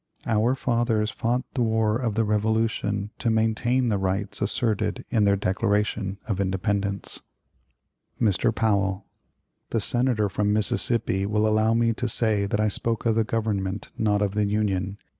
Our fathers fought the war of the Revolution to maintain the rights asserted in their Declaration of Independence." Mr. Powell: "The Senator from Mississippi will allow me to say that I spoke of the Government, not of the Union.